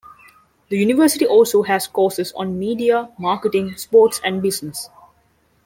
The university also has courses on media, marketing, sports and business.